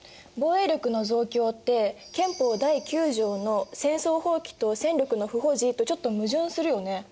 防衛力の増強って憲法第９条の「戦争放棄と戦力の不保持」とちょっと矛盾するよね？